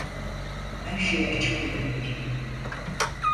Her şeyi açıklayabilirim.